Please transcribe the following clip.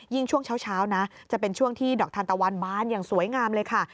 ช่วงเช้านะจะเป็นช่วงที่ดอกทานตะวันบานอย่างสวยงามเลยค่ะ